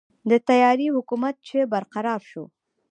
د تیارې حکومت چې برقراره شو.